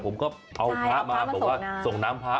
ผมก็เอาพระมาส่งน้ำพระ